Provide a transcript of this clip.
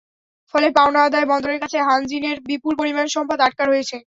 ফলে পাওনা আদায়ে বন্দরের কাছে হানজিনের বিপুল পরিমাণ সম্পদ আটকা রয়েছে।